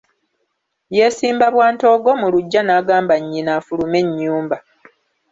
Yeesimba bwantoogo mu luggya n'agamba nnyina afulume ennyumba.